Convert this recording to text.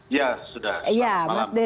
iya sudah selamat malam